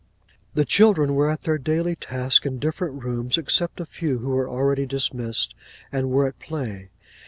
The children were at their daily tasks in different rooms, except a few who were already dismissed, and were at play.